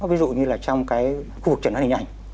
ví dụ như là trong cái khu vực trận hóa hình ảnh